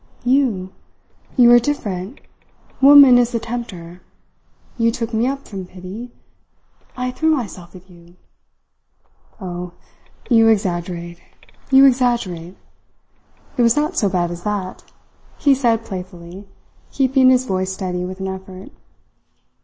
"You! You are different. Woman is the tempter. You took me up from pity. I threw myself at you." "Oh, you exaggerate, you exaggerate. It was not so bad as that," he said playfully, keeping his voice steady with an effort.